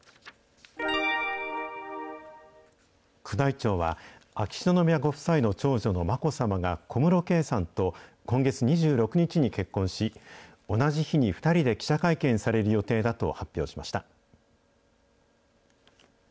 宮内庁は、秋篠宮ご夫妻の長女の眞子さまが、小室圭さんと今月２６日に結婚し、同じ日に２人で記者会見される予定だと発表しました。